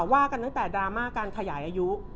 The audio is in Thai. ว่ากันตั้งแต่ดราม่าการขยายอายุ